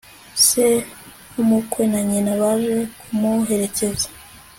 se w'umukwe na nyina baje kumuherekeza